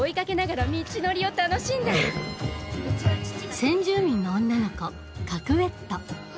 先住民の女の子カクウェット